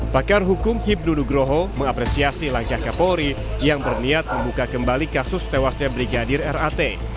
pakar hukum hipnu nugroho mengapresiasi langkah kapolri yang berniat membuka kembali kasus tewasnya brigadir rat